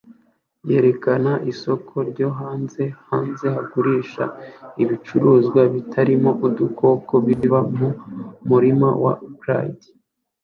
yerekana isoko ryo hanze hanze bagurisha ibicuruzwa bitarimo udukoko biva mu murima wa Clyde